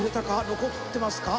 残ってますか？